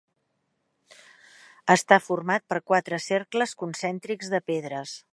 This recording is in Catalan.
Està format per quatre cercles concèntrics de pedres.